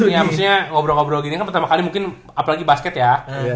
ya maksudnya ngobrol ngobrol gini kan pertama kali mungkin apalagi basket ya